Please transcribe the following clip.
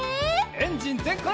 エンジンぜんかい！